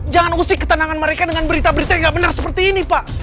jangan usik ketenangan mereka dengan berita berita yang tidak benar seperti ini pak